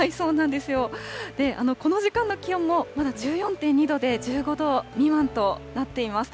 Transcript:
で、この時間の気温も、まだ１４．２度で、１５度未満となっています。